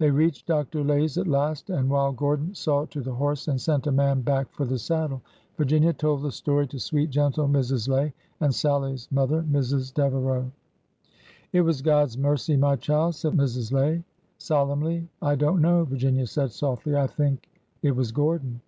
They reached Dr. Lay's at last, and while Gordon saw to the horse and sent a man back for the saddle, Virginia told the story to sweet, gentle Mrs. Lay and Sallie's mo ther, Mrs. Devereau. 10 46 ORDER NO. 11 It was God's mercy, my child !" said Mrs. Lay, sol emnly. I don't know," Virginia said softly. I think— it was Gordon."